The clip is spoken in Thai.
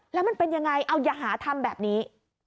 แล้วมันเป็นยังไงเอาอย่าหาทำแบบนี้